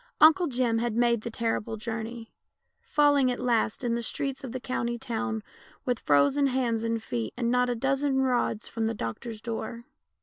Uncle Jim had m.ade the terrible journey, falling at last in the streets of the country town with frozen hands and feet, not a dozen rods from the doctor's door.